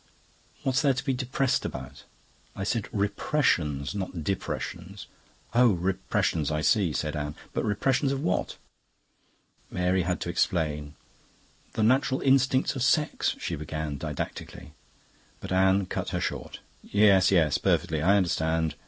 "What's there to be depressed about?" "I said repressions, not depressions." "Oh, repressions; I see," said Anne. "But repressions of what?" Mary had to explain. "The natural instincts of sex..." she began didactically. But Anne cut her short. "Yes, yes. Perfectly. I understand.